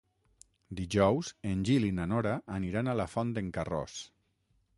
Dijous en Gil i na Nora aniran a la Font d'en Carròs.